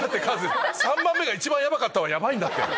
３番目が一番ヤバかったはヤバいんだって。